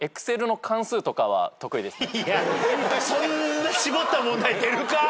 そんな絞った問題出るか？